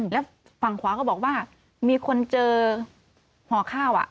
แล้วฝั่งขวาก็บอกว่ามีคนเจอห่อข้าว